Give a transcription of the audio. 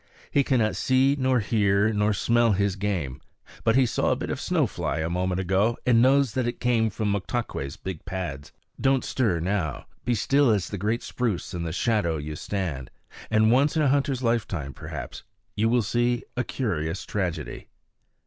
He cannot see nor hear nor smell his game; but he saw a bit of snow fly a moment ago, and knows that it came from Moktaques' big pads. Don't stir now; be still as the great spruce in whose shadow you stand; and, once in a hunter's lifetime perhaps, you will see a curious tragedy.